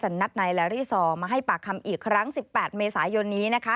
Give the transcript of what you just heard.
นัดนายแลรี่ซอมาให้ปากคำอีกครั้ง๑๘เมษายนนี้นะคะ